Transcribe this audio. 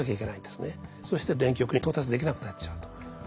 そして電極に到達できなくなっちゃうと。